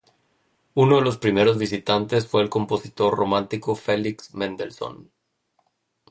Uno de los primeros visitantes fue el compositor romántico Felix Mendelssohn.